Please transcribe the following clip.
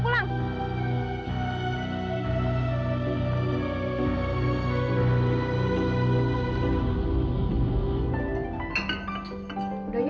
sampai jumpa di video selanjutnya